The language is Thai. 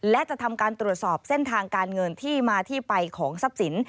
และจะทำการตรวจสอบเส้นทางการเงินที่มาที่ไปของทรัพย์สิน